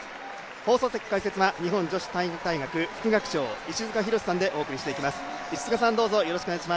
放送席解説は日本女子体育大学副学長、石塚浩さんでお伝えしていきます。